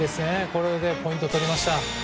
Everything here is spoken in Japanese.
これでポイントを取りました。